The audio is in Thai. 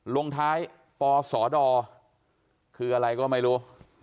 ลงท้ายปศดคืออะไรก็ไม่รู้